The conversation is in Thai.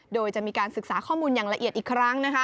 โดยจะมีการศึกษาข้อมูลอย่างละเอียดอีกครั้ง